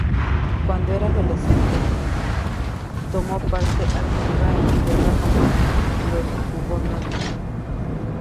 Cuando era adolescente, tomó parte activa en la guerra contra los hugonotes.